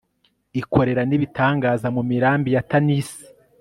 ikorera n'ibitangaza mu mirambi ya tanisi